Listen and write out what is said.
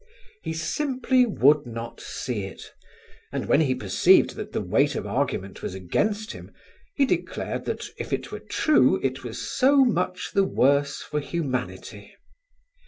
He simply would not see it and when he perceived that the weight of argument was against him he declared that if it were true, it was so much the worse for humanity.